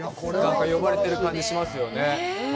呼ばれてる感じがしますよね。